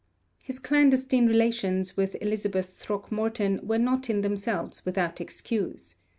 His clandestine relations with Elizabeth Throckmorton were not in themselves without excuse.